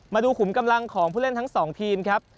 มาดูขุมกำลังของผู้เล่นทั้งสองทีนครับ